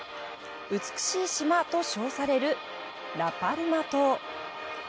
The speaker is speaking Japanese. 「美しい島」と称されるラ・パルマ島。